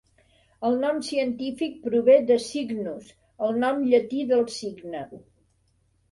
El nom científic prové de "cygnus", el nom llatí del cigne.